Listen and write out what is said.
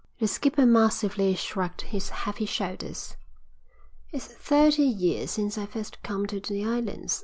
The skipper massively shrugged his heavy shoulders. "It's thirty years since I first come to the islands.